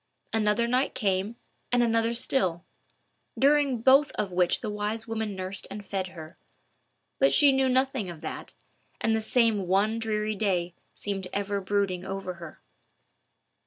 Another night came, and another still, during both of which the wise woman nursed and fed her. But she knew nothing of that, and the same one dreary day seemed ever brooding over her.